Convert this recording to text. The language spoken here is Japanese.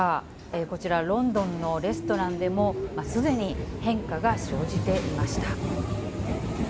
こちら、ロンドンのレストランでも、すでに変化が生じていました。